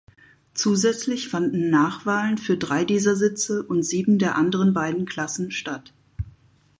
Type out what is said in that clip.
Zusätzlich fanden Nachwahlen für drei dieser Sitze und sieben der anderen beiden Klassen statt.